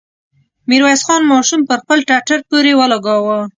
ميرويس خان ماشوم پر خپل ټټر پورې ولګاوه.